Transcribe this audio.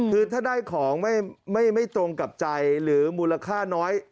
คือถ้าได้ของไม่ตรงกับใจหรือมูลค่าน้อย